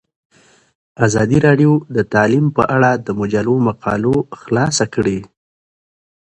ازادي راډیو د تعلیم په اړه د مجلو مقالو خلاصه کړې.